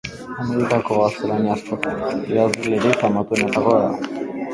Amerikako gaztelaniazko idazlerik famatuenetakoa da.